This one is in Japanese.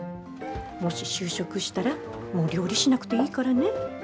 もし就職したらもう料理しなくていいからね。